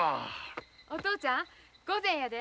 お父ちゃんご膳やで。